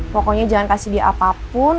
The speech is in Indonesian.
pokoknya jangan kasih dia apapun